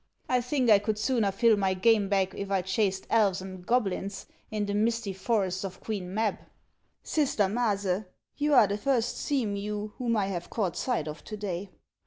T think I could sooner till my game bag if I chased elves and goblins in the misty forests of Queen Mab. Sister Maase, you are the first sea mew whom I have caught sight of to day.